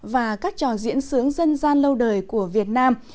và các trò diễn sướng dân gian lâu đời của việt nam